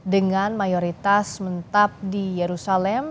dengan mayoritas mentab di yerusalem